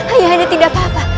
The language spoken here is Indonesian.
ayah anda tidak apa apa